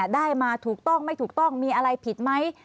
ได้มาถูกต้องไม่ถูกต้องมีอะไรผิดไหม